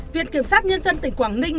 viện kiểm soát nhân dân tỉnh quảng ninh